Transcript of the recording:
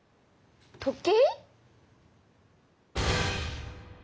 時計？